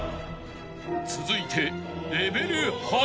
［続いて］